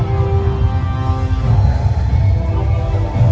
สโลแมคริปราบาล